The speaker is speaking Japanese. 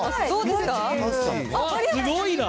すごいな。